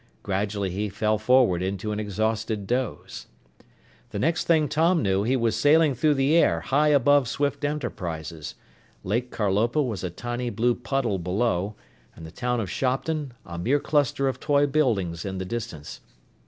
Gradually he fell forward into an exhausted doze. The next thing Tom knew, he was sailing through the air, high above Swift Enterprises. Lake Carlopa was a tiny blue puddle below, and the town of Shopton a mere cluster of toy buildings in the distance.